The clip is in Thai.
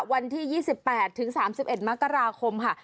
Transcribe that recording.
วันที่๒๘ถึง๓๑มกราคมค่ะ